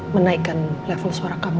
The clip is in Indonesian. menaikan level suara kamu